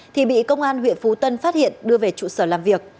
thì bị công an huyện phú tân phát hiện đưa về trụ sở làm việc